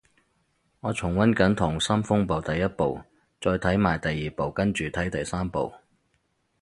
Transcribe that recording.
我重溫緊溏心風暴第一部，再睇埋第二部跟住睇第三部